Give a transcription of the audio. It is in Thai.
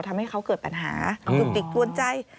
ทำให้เขาเกิดปัญหาตุกติกกวนใจ